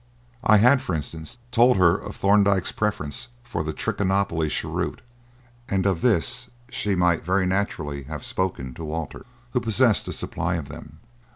I had, for instance, told her of Thorndyke's preference for the Trichinopoly cheroot, and of this she might very naturally have spoken to Walter, who possessed a supply of them.